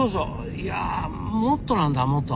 いやもっとなんだもっと。